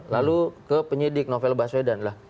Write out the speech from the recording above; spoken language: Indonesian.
lalu ke penyidik novel baswedan lah